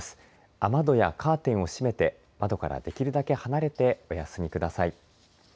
雨戸やカーテンを閉めて窓からできるだけ離れてお休みください。